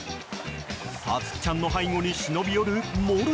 さつきちゃんの背後に忍び寄るもる